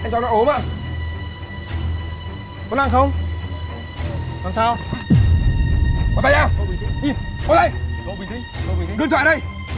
cháu làm sao vậy